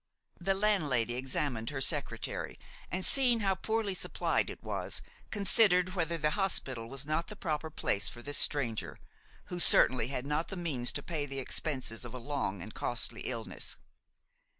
The landlady examined her secretary and, seeing how poorly supplied it was, considered whether the hospital was not the proper place for this stranger, who certainly had not the means to pay the expenses of a long and costly illness.